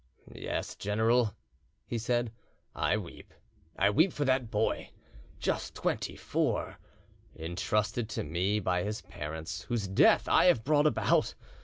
"Yes, general," he said, "I weep; I weep for that boy, just twenty four, entrusted to me by his parents, whose death I have brought about.